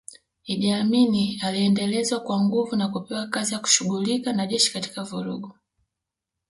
Idi Amin aliendelezwa kwa nguvu na kupewa kazi ya kushughulika na jeshi katika vurugu